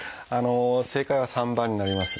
正解は３番になりますね。